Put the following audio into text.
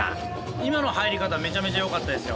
今の入り方めちゃめちゃよかったですよ。